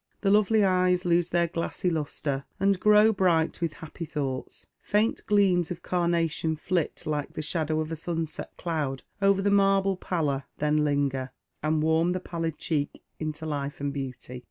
The lovely eyes lose' their glassy lustre, and grow bright with happy thoughts ; faint gleams of carnation flit like the shadow of a sunset cloud over the marble pallor, then linger, and warm the pallid cheek into life and beauty.